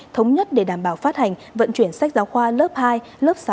thống nhất để đảm bảo phát hành vận chuyển sách giáo khoa lớp hai lớp sáu